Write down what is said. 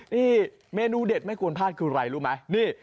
นี่เมนูเด็ดไม่ควรพลาดคืออะไรรู้ไหมนี่